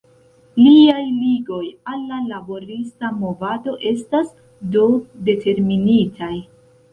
Liaj ligoj al la laborista movado estas, do, determinitaj.